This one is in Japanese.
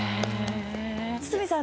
堤さん